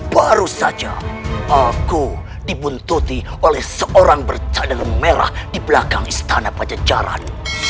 baru saja aku dibuntuti oleh seorang bercadang merah di belakang istana pajak jarak